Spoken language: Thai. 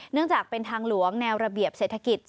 เนื่องจากเป็นทางหลวงแนวระเบียบเศรษฐกิจ